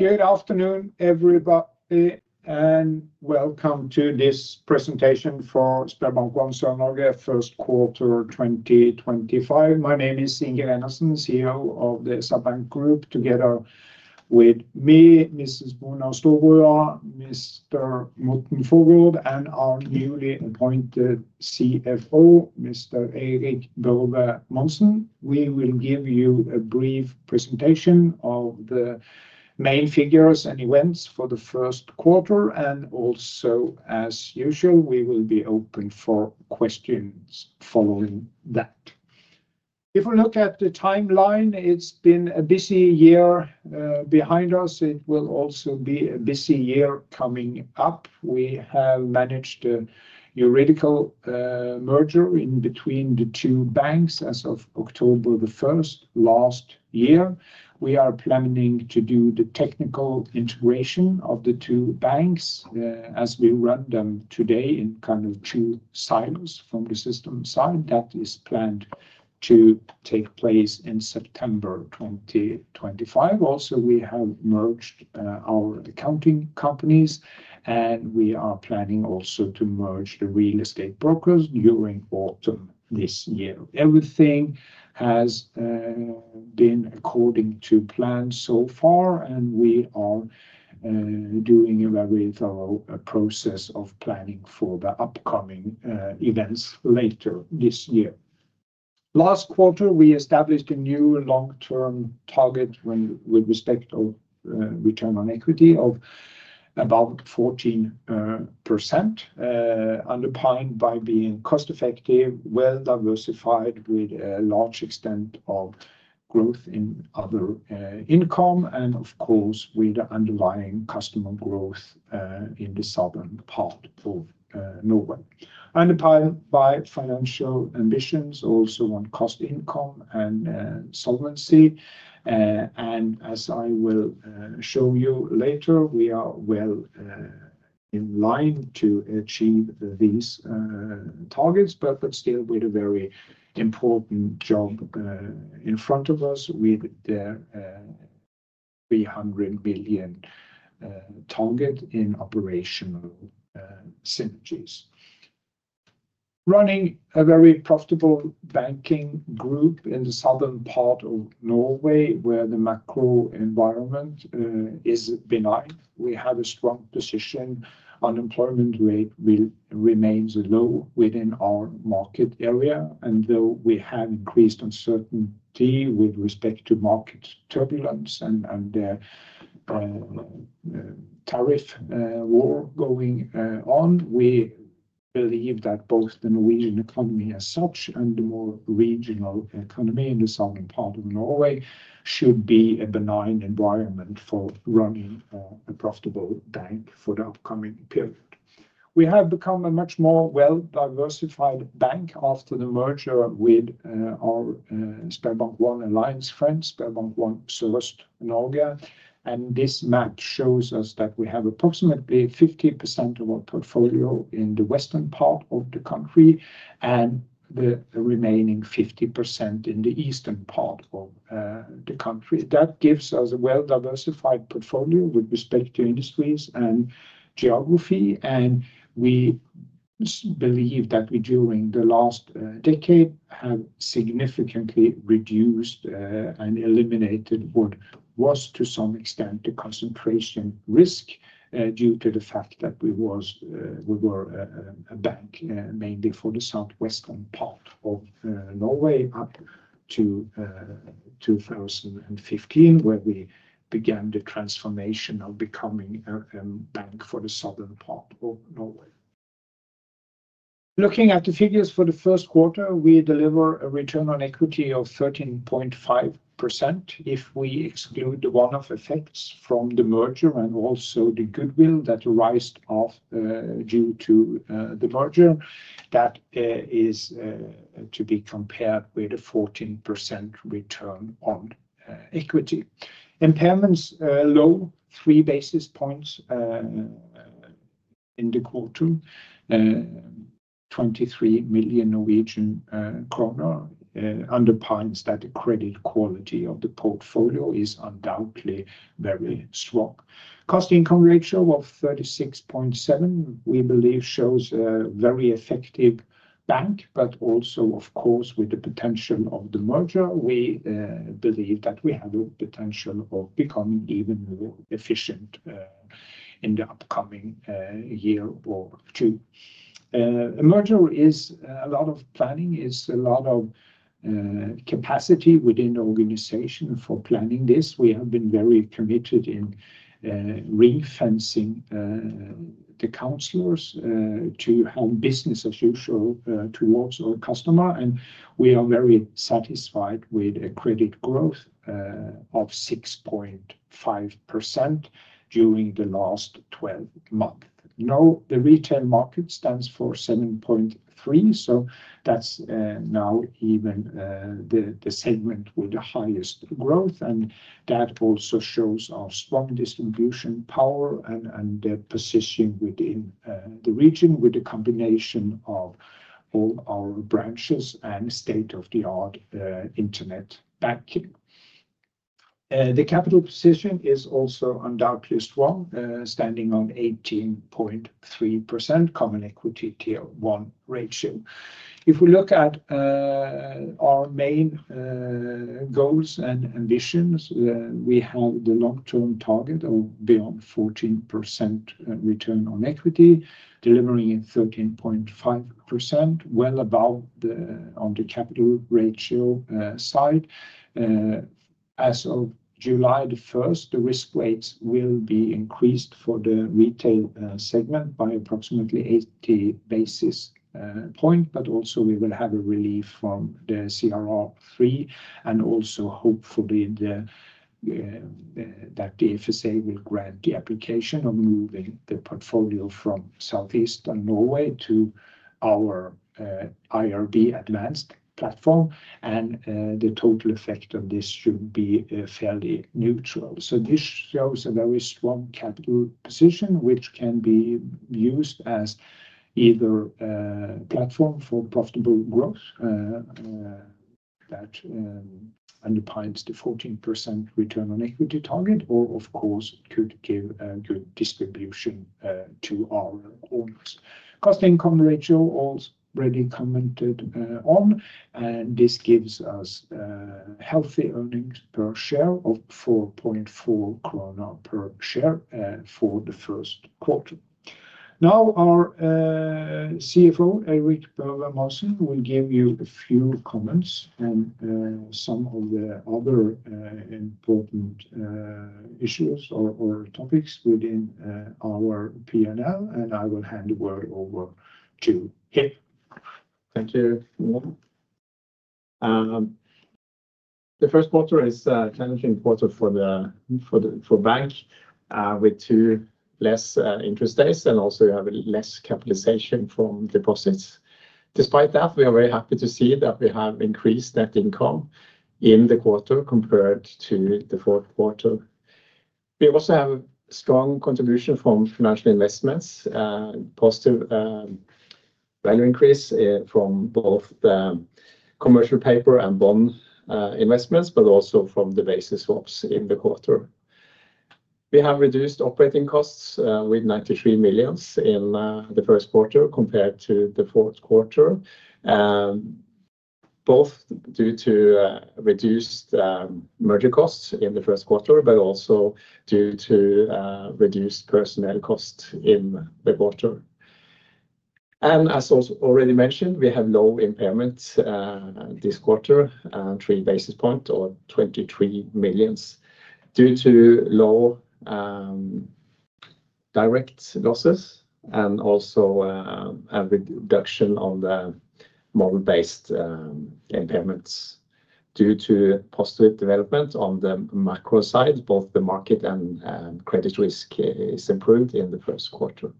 Good afternoon, everybody, and welcome to this presentation for SpareBank 1 Sør-Norge, first quarter 2025. My name is Inge Reinertsen, CEO of the SR-Bank Group. Together with me, Mrs. Bruna Storboe, Mr. Morten Fogel, and our newly appointed CFO, Mr. Eirik Børve Monsen. We will give you a brief presentation of the main figures and events for the first quarter, and also, as usual, we will be open for questions following that. If we look at the timeline, it has been a busy year behind us. It will also be a busy year coming up. We have managed the Eurydica merger in between the two banks as of October 1 last year. We are planning to do the technical integration of the two banks as we run them today in kind of two silos from the system side. That is planned to take place in September 2025. Also, we have merged our accounting companies, and we are planning also to merge the real estate brokers during autumn this year. Everything has been according to plan so far, and we are doing a very thorough process of planning for the upcoming events later this year. Last quarter, we established a new long-term target with respect to return on equity of about 14%, underpinned by being cost-effective, well-diversified, with a large extent of growth in other income, and of course, with the underlying customer growth in the southern part of Norway. Underpinned by financial ambitions, also on cost income and solvency. As I will show you later, we are well in line to achieve these targets, but still with a very important job in front of us with the 300 million target in operational synergies. Running a very profitable banking group in the southern part of Norway, where the macro environment is benign, we have a strong position. Unemployment rate remains low within our market area, and though we have increased uncertainty with respect to market turbulence and the tariff war going on, we believe that both the Norwegian economy as such and the more regional economy in the southern part of Norway should be a benign environment for running a profitable bank for the upcoming period. We have become a much more well-diversified bank after the merger with our SpareBank 1 Alliance friends, SpareBank 1 Sør-Norge, and this map shows us that we have approximately 50% of our portfolio in the western part of the country and the remaining 50% in the eastern part of the country. That gives us a well-diversified portfolio with respect to industries and geography, and we believe that during the last decade have significantly reduced and eliminated what was, to some extent, the concentration risk due to the fact that we were a bank mainly for the southwestern part of Norway up to 2015, where we began the transformation of becoming a bank for the southern part of Norway. Looking at the figures for the first quarter, we deliver a return on equity of 13.5% if we exclude the one-off effects from the merger and also the goodwill that arised due to the merger. That is to be compared with a 14% return on equity. Impairments low three basis points in the quarter, 23 million Norwegian kroner, underpinned that the credit quality of the portfolio is undoubtedly very strong. Cost income ratio of 36.7%, we believe, shows a very effective bank, but also, of course, with the potential of the merger, we believe that we have a potential of becoming even more efficient in the upcoming year or two. A merger is a lot of planning, is a lot of capacity within the organization for planning this. We have been very committed in re-fencing the councillors to have business as usual towards our customer, and we are very satisfied with a credit growth of 6.5% during the last 12 months. Now, the retail market stands for 7.3%, so that's now even the segment with the highest growth, and that also shows our strong distribution power and the position within the region with the combination of all our branches and state-of-the-art internet banking. The capital position is also undoubtedly strong, standing on 18.3% common equity tier one ratio. If we look at our main goals and ambitions, we have the long-term target of beyond 14% return on equity, delivering 13.5%, well above on the capital ratio side. As of July 1, the risk weights will be increased for the retail segment by approximately 80 basis points, but also we will have a relief from the CRR3, and also hopefully that the FSA will grant the application of moving the portfolio from Southeastern Norway to our IRB Advanced platform, and the total effect of this should be fairly neutral. This shows a very strong capital position, which can be used as either a platform for profitable growth that underpins the 14% return on equity target, or of course could give a good distribution to our owners. Cost income ratio already commented on, and this gives us healthy earnings per share of 4.4 krone per share for the first quarter. Now, our CFO, Eirik Børve Monsen, will give you a few comments and some of the other important issues or topics within our P&L, and I will hand the word over to him. Thank you. The first quarter is a challenging quarter for the bank with fewer interest days and also less capitalization from deposits. Despite that, we are very happy to see that we have increased net income in the quarter compared to the fourth quarter. We also have a strong contribution from financial investments, positive value increase from both the commercial paper and bond investments, but also from the basis swaps in the quarter. We have reduced operating costs with 93 million in the first quarter compared to the fourth quarter, both due to reduced merger costs in the first quarter, but also due to reduced personnel costs in the quarter. As already mentioned, we have low impairments this quarter, three basis points or 23 million due to low direct losses and also a reduction of the model-based impairments due to positive development on the macro side. Both the market and credit risk is improved in the first quarter.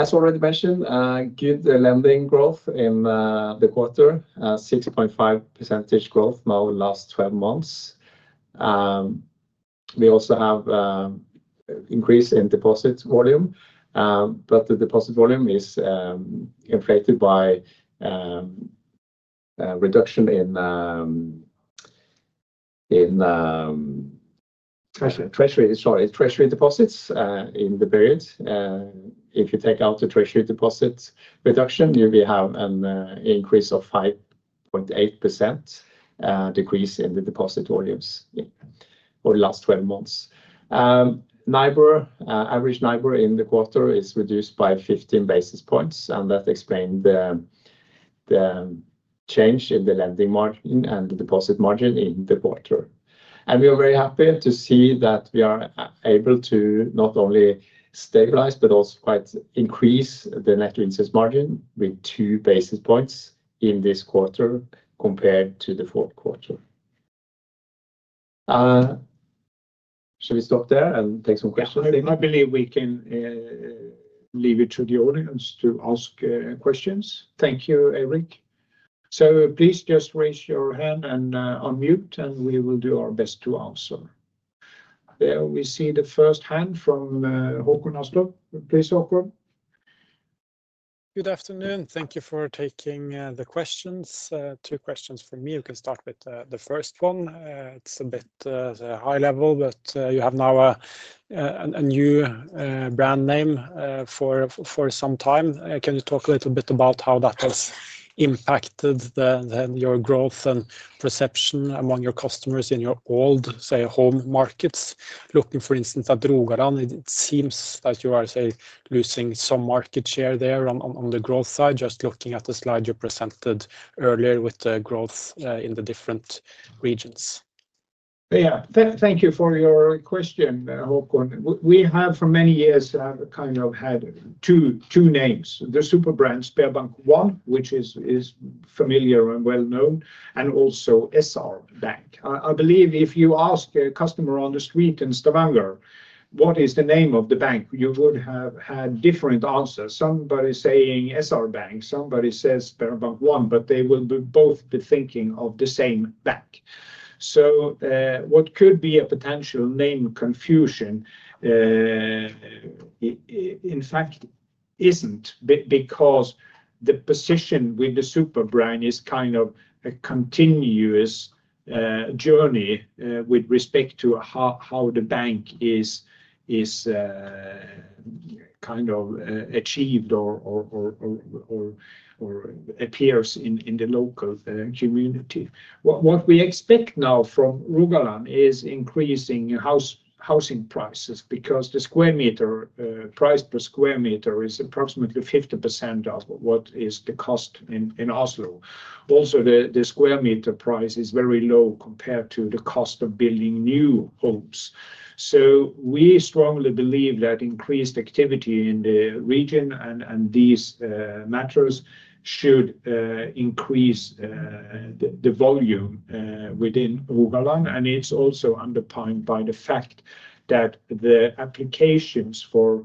As already mentioned, good lending growth in the quarter, 6.5% growth now last 12 months. We also have an increase in deposit volume, but the deposit volume is inflated by reduction in treasury deposits in the period. If you take out the treasury deposit reduction, you will have an increase of 5.8% decrease in the deposit volumes over the last 12 months. Average NIBR in the quarter is reduced by 15 basis points, and that explained the change in the lending margin and the deposit margin in the quarter. We are very happy to see that we are able to not only stabilize, but also quite increase the net interest margin with two basis points in this quarter compared to the fourth quarter. Shall we stop there and take some questions? I believe we can leave it to the audience to ask questions. Thank you, Eirik. Please just raise your hand and unmute, and we will do our best to answer. There we see the first hand from Håkon Aaslaug. Please, Håkon. Good afternoon. Thank you for taking the questions. Two questions from me. We can start with the first one. It's a bit high level, but you have now a new brand name for some time. Can you talk a little bit about how that has impacted your growth and perception among your customers in your old home markets? Looking, for instance, at Rogaland, it seems that you are losing some market share there on the growth side, just looking at the slide you presented earlier with the growth in the different regions. Yeah, thank you for your question, Håkon. We have for many years kind of had two names, the super brand SpareBank 1, which is familiar and well known, and also SR-Bank. I believe if you ask a customer on the street in Stavanger, what is the name of the bank, you would have had different answers. Somebody saying SR-Bank, somebody says SpareBank 1, but they will both be thinking of the same bank. What could be a potential name confusion, in fact, isn't because the position with the super brand is kind of a continuous journey with respect to how the bank is kind of achieved or appears in the local community. What we expect now from Rogaland is increasing housing prices because the square meter price per square meter is approximately 50% of what is the cost in Oslo. Also, the square meter price is very low compared to the cost of building new homes. We strongly believe that increased activity in the region and these matters should increase the volume within Rogaland, and it is also underpinned by the fact that the applications for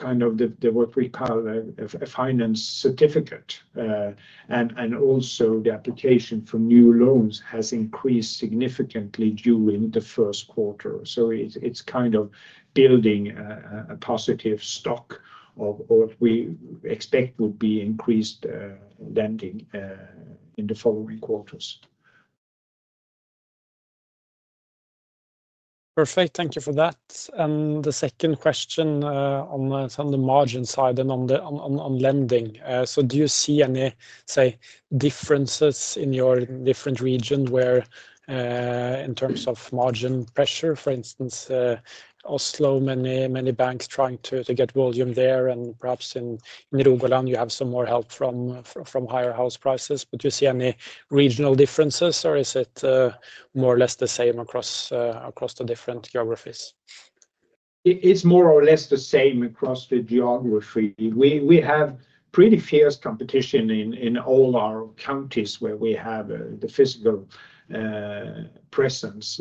kind of what we call a finance certificate and also the application for new loans has increased significantly during the first quarter. It is kind of building a positive stock of what we expect would be increased lending in the following quarters. Perfect. Thank you for that. The second question on the margin side and on lending. Do you see any, say, differences in your different region where in terms of margin pressure, for instance, Oslo, many banks trying to get volume there, and perhaps in Rogaland you have some more help from higher house prices, but do you see any regional differences or is it more or less the same across the different geographies? It's more or less the same across the geography. We have pretty fierce competition in all our counties where we have the physical presence.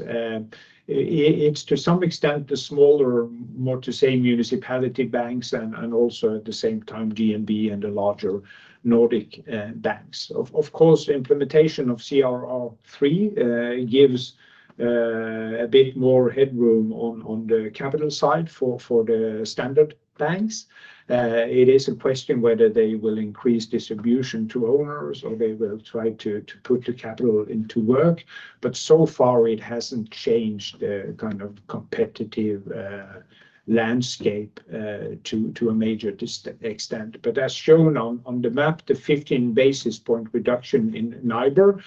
It's to some extent the smaller, more to say municipality banks and also at the same time DNB and the larger Nordic banks. Of course, the implementation of CRR3 gives a bit more headroom on the capital side for the standard banks. It is a question whether they will increase distribution to owners or they will try to put the capital into work, but so far it hasn't changed the kind of competitive landscape to a major extent. As shown on the map, the 15 basis point reduction in NIBR,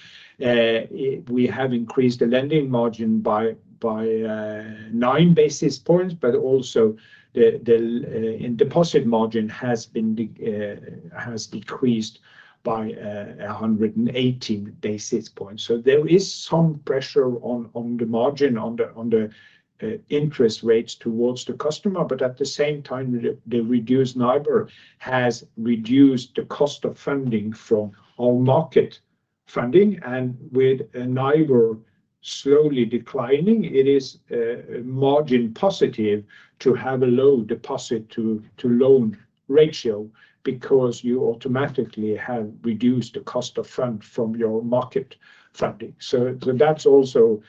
we have increased the lending margin by 9 basis points, but also the deposit margin has decreased by 118 basis points. There is some pressure on the margin, on the interest rates towards the customer, but at the same time, the reduced NIBR has reduced the cost of funding from whole market funding. With NIBR slowly declining, it is margin positive to have a low deposit to loan ratio because you automatically have reduced the cost of fund from your market funding. That is also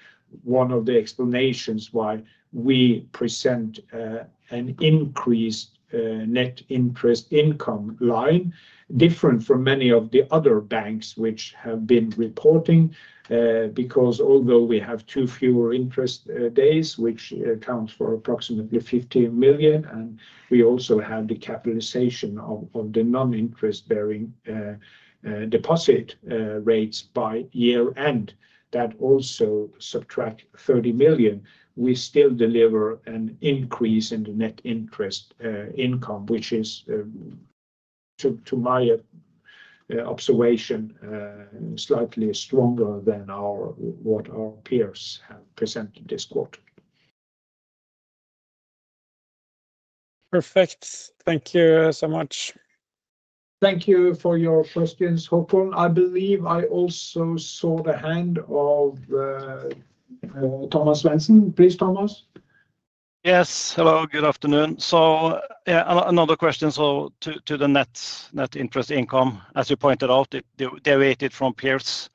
one of the explanations why we present an increased net interest income line, different from many of the other banks which have been reporting, because although we have two fewer interest days, which accounts for approximately 15 million, and we also have the capitalization of the non-interest bearing deposit rates by year end that also subtract 30 million, we still deliver an increase in the net interest income, which is, to my observation, slightly stronger than what our peers have presented this quarter. Perfect. Thank you so much. Thank you for your questions, Håkon. I believe I also saw the hand of Thomas Mensen. Please, Thomas. Yes. Hello. Good afternoon. Another question to the net interest income, as you pointed out, deviated from peers.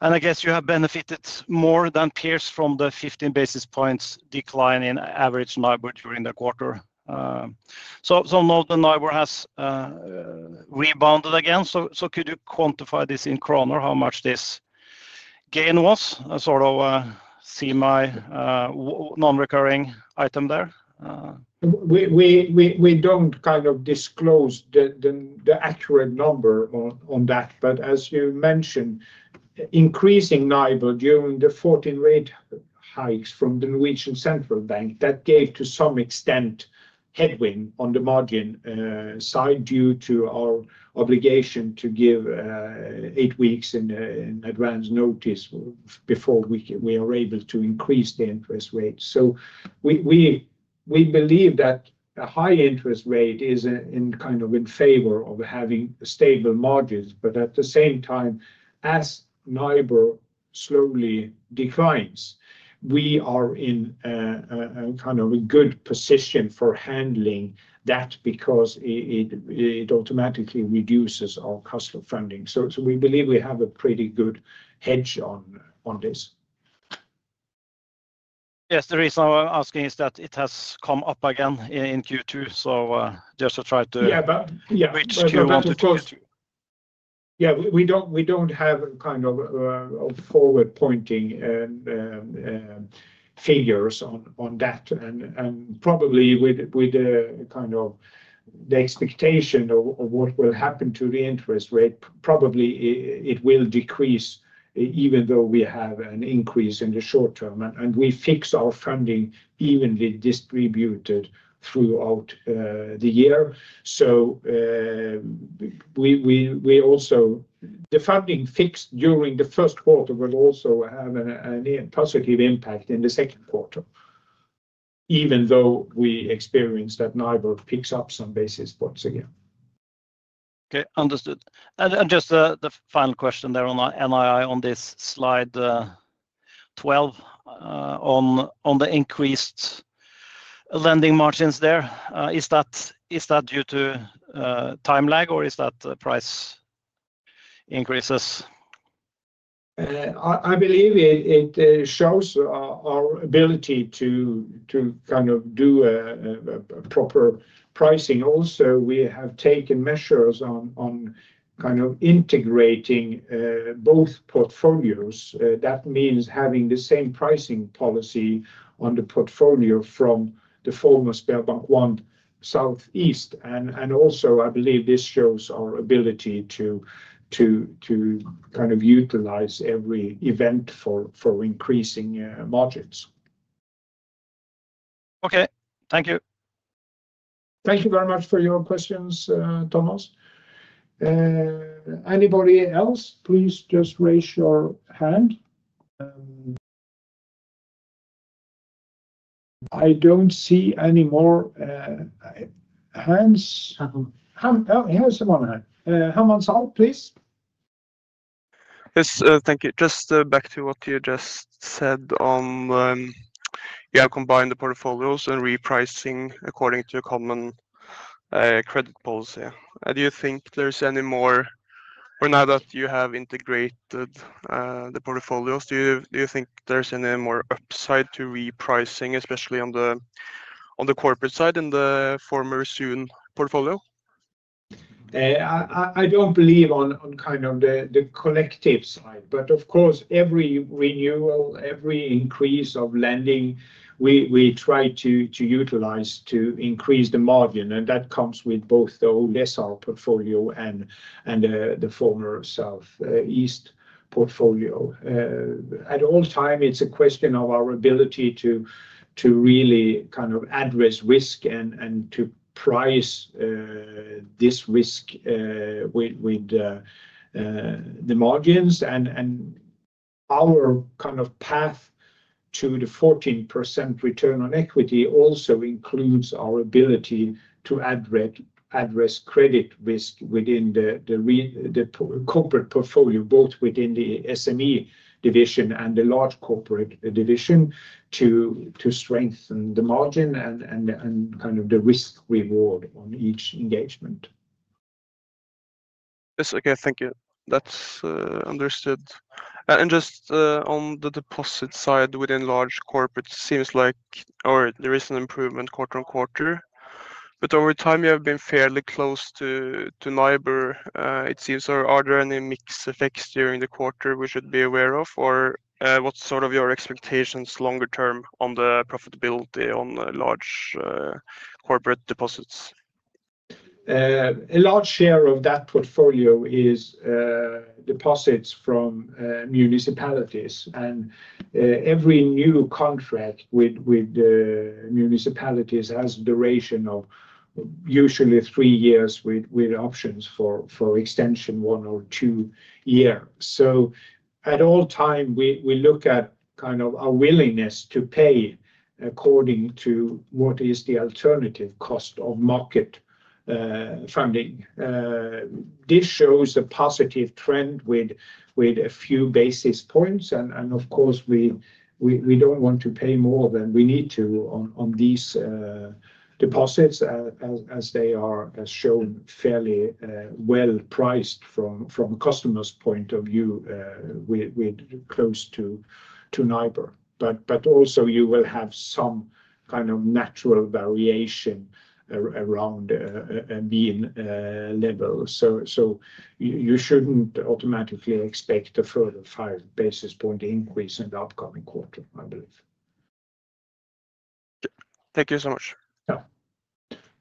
I guess you have benefited more than peers from the 15 basis points decline in average NIBR during the quarter. Now the NIBR has rebounded again. Could you quantify this in NOK, how much this gain was? Sort of see my non-recurring item there. We do not kind of disclose the accurate number on that, but as you mentioned, increasing NIBR during the 14 rate hikes from Norges Bank, that gave to some extent headwind on the margin side due to our obligation to give eight weeks in advance notice before we are able to increase the interest rate. We believe that a high interest rate is kind of in favor of having stable margins, but at the same time, as NIBR slowly declines, we are in kind of a good position for handling that because it automatically reduces our customer funding. We believe we have a pretty good hedge on this. Yes. The reason I'm asking is that it has come up again in Q2, so just to try to reach Q1 and Q2. Yeah. We do not have kind of forward-pointing figures on that. Probably with kind of the expectation of what will happen to the interest rate, probably it will decrease even though we have an increase in the short term. We fix our funding evenly distributed throughout the year. The funding fixed during the first quarter will also have a positive impact in the second quarter, even though we experience that NIBR picks up some basis points again. Okay. Understood. Just the final question there on NII on this slide 12 on the increased lending margins there. Is that due to time lag or is that price increases? I believe it shows our ability to kind of do proper pricing. Also, we have taken measures on kind of integrating both portfolios. That means having the same pricing policy on the portfolio from the former SpareBank 1 Sørøst-Norge. Also, I believe this shows our ability to kind of utilize every event for increasing margins. Okay. Thank you. Thank you very much for your questions, Thomas. Anybody else? Please just raise your hand. I do not see any more hands. Here is someone's hand. Helmans Aal, please. Yes. Thank you. Just back to what you just said on, yeah, combine the portfolios and repricing according to a common credit policy. Do you think there's any more, now that you have integrated the portfolios, do you think there's any more upside to repricing, especially on the corporate side in the former Sørøst-Norge portfolio? I don't believe on kind of the collective side, but of course, every renewal, every increase of lending, we try to utilize to increase the margin. That comes with both the old SR portfolio and the former Southeast portfolio. At all time, it's a question of our ability to really kind of address risk and to price this risk with the margins. Our kind of path to the 14% return on equity also includes our ability to address credit risk within the corporate portfolio, both within the SME division and the large corporate division to strengthen the margin and kind of the risk-reward on each engagement. Yes. Okay. Thank you. That's understood. Just on the deposit side within large corporate, it seems like there is an improvement quarter on quarter, but over time, you have been fairly close to NIBR, it seems. Are there any mixed effects during the quarter we should be aware of, or what are your expectations longer term on the profitability on large corporate deposits? A large share of that portfolio is deposits from municipalities. Every new contract with municipalities has a duration of usually three years with options for extension one or two years. At all times, we look at kind of our willingness to pay according to what is the alternative cost of market funding. This shows a positive trend with a few basis points. Of course, we do not want to pay more than we need to on these deposits as they are shown fairly well priced from a customer's point of view with close to NIBR. Also, you will have some kind of natural variation around mean level. You should not automatically expect a further five basis point increase in the upcoming quarter, I believe. Thank you so much.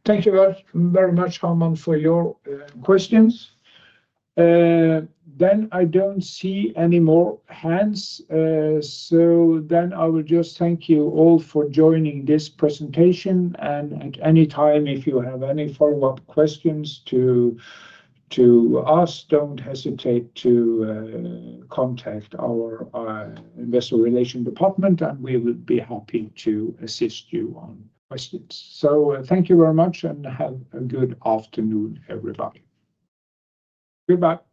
Thank you very much, Herman, for your questions. I do not see any more hands. I will just thank you all for joining this presentation. At any time, if you have any follow-up questions to ask, do not hesitate to contact our investor relation department, and we will be happy to assist you on questions. Thank you very much and have a good afternoon, everybody. Goodbye.